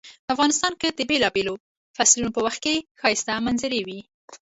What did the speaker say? افغانستان کې د بیلابیلو فصلونو په وخت کې ښایسته منظرۍ وی